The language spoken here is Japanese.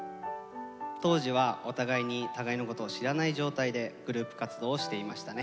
当時はお互いに互いのことを知らない状態でグループ活動をしていましたね。